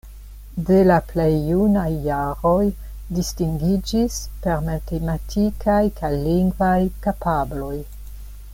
De la plej junaj jaroj distingiĝis per matematikaj kaj lingvaj kapabloj.